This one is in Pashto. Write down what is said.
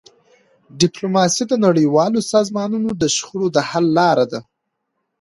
ډيپلوماسي د نړیوالو سازمانونو د شخړو د حل لاره ده.